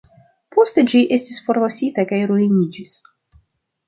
Poste ĝi estis forlasita kaj ruiniĝis.